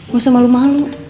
gak usah malu malu